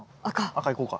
赤いこうか。